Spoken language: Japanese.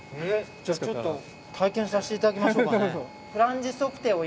じゃあちょっと体験させていただきましょうかね